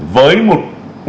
với một môn lịch sử